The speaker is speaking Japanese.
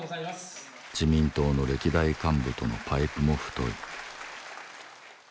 自民党の歴代幹部とのパイプも太い